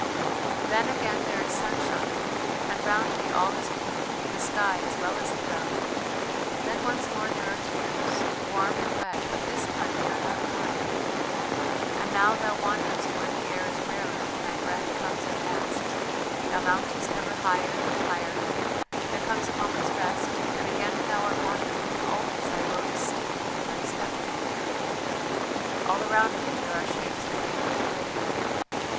"Then again there is sunshine, and round thee all is blue, the sky as well as the ground then once more there are tears, warm and wet, but this time they are not thine.... And now thou wanderest where the air is rarer and thy breath comes in gasps thou mountest ever higher and higher ... there comes a moment's rest and again thou art wandering, and always thy road is steeper and thy step more weary.... All around thee there are shapes that make thee afraid.